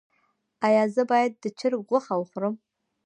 ایا زه باید د چرګ غوښه وخورم؟